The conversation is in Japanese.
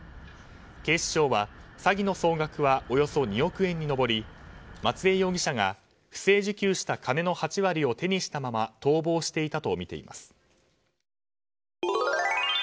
警視庁は詐欺の総額はおよそ２億円に上り松江容疑者が不正受給した金の８割を手にしたまま逃亡していたとみています。